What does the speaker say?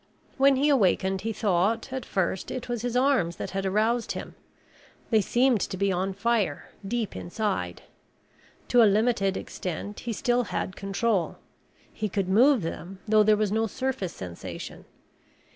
When he awakened he thought, at first, it was his arms that had aroused him. They seemed to be on fire, deep inside. To a limited extent, he still had control. He could move them though there was no surface sensation.